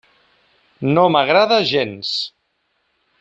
No m'agrada gens.